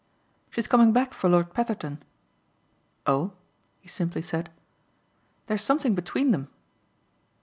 "She's coming back for Lord Petherton." "Oh!" he simply said. "There's something between them."